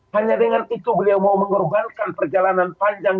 hanya dengan itu beliau mau mengorbankan perjalanan panjang